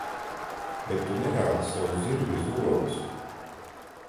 Bet tu nerādi savus zirga zobus.